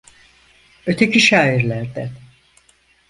Öteki şairlerden.